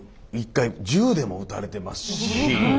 １回銃でも撃たれてますし。